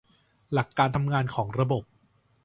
หลักการทำงานของระบบ